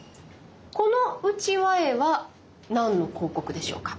このうちわ絵は何の広告でしょうか？